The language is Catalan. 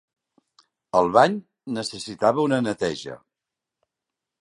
El bany necessitava una neteja.